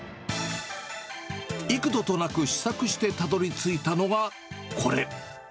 幾度となく試作してたどりついたのがこれ。